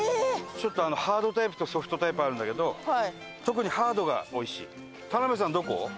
ちょっとハードタイプとソフトタイプあるんだけど特にハードがおいしい。